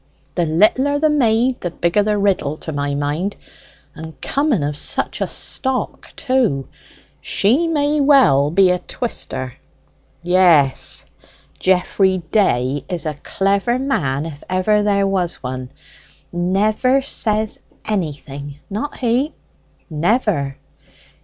"The littler the maid, the bigger the riddle, to my mind. And coming of such a stock, too, she may well be a twister." "Yes; Geoffrey Day is a clever man if ever there was one. Never says anything: not he." "Never."